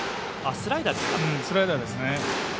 スライダーですね。